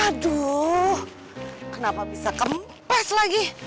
aduh kenapa bisa kempes lagi